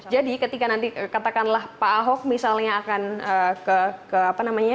jadi ketika nanti katakanlah pak ahok misalnya akan ke apa namanya